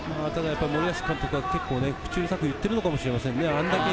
ただ森保監督は口うるさく言っているのかもしれません。